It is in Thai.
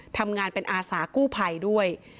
ทำงานเป็นอาสากู้ภัยด้วย